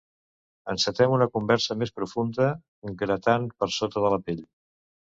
Encetem una conversa més profunda, gratant per sota de la pell.